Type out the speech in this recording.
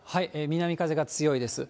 南風が強いです。